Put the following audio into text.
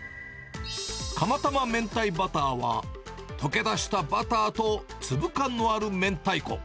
釜たま明太バターは、溶け出したバターと粒感のある明太子。